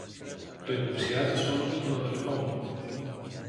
Το υποψιάζεσαι όμως για τον αδελφό μου